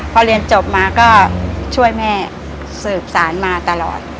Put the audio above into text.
พอเรียนจบมาก็ช่วยแม่สืบสารมาตลอด